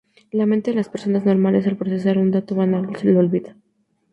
La mente de las personas normales, al procesar un dato banal, lo olvida.